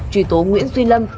truy tố nguyễn duy lâm